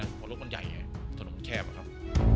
นะเพราะรถมันใหญ่อ่ะถนนแคบอ่ะครับ